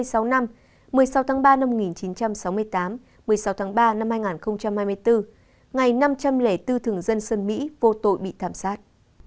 một mươi sáu tháng ba năm một nghìn chín trăm sáu mươi tám một mươi sáu tháng ba năm hai nghìn hai mươi bốn ngày năm trăm linh bốn thường dân mỹ vô tội bị thảm sát